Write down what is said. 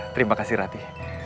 terima kasih rati